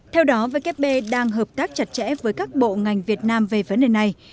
theo đó vkp đang hợp tác chặt chẽ với các bộ ngành việt nam về vấn đề này